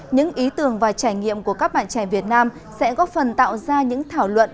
những ý tưởng và trải nghiệm của các bạn trẻ việt nam sẽ góp phần tạo ra những thảo luận